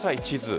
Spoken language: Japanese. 地図。